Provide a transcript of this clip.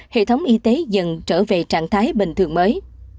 hệ thống y tế dần trở về trạng thái bình thường mới